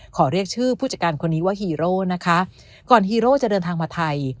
ขอเรียกชื่อผู้จัดการคนนี้ว่าฮีโร่นะคะก่อนฮีโร่จะเดินทางมาไทย